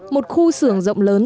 một khu sưởng rộng lớn